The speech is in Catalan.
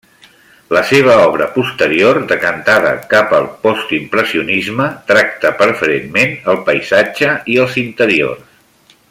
La seva obra posterior, decantada cap al postimpressionisme, tracta preferentment el paisatge i els interiors.